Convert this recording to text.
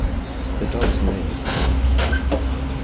The dog's name is Bailey.